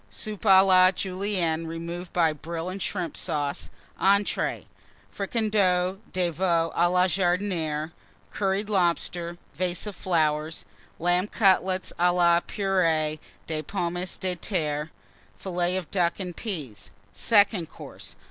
Soup à la Julienne, removed by Brill and Shrimp Sauce. Entrées. Fricandeau de Veau à la Jardinière. Curried Lobster. Vase of Lamb Cutlets à la Purée Flowers. de Pommes de Terre. Fillets of Ducks and Peas. _Second Course.